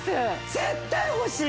絶対欲しい！